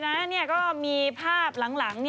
นั้นนะสิก็มีภาพหลัง